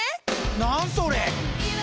何それ！？